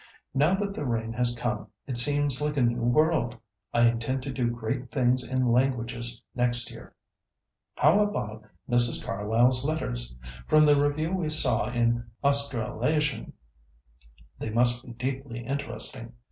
Now that the rain has come, it seems like a new world. I intend to do great things in languages next year. How about Mrs. Carlyle's letters? From the review we saw in The Australasian, they must be deeply interesting.